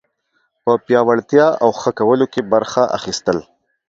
په پیاوړتیا او ښه کولو کې برخه اخیستل